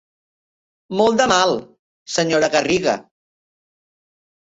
Molt de mal, senyora Garriga.